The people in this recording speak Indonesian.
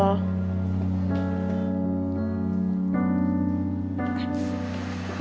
boy kok cepet banget ngurus animasi stresinya